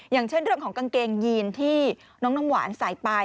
อย่างเช่นเรื่องของกางเกงยีนที่น้องน้ำหวานใส่ไป